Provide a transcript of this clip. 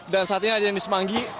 dan saat ini ada yang di semanggi